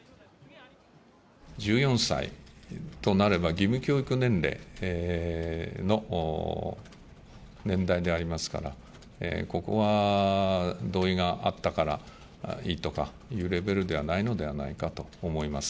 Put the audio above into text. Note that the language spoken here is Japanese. １４歳となれば義務教育年齢の年代でありますから、ここは同意があったからいいとかいうレベルではないのではないかと思います。